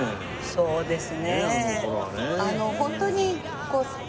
そうです。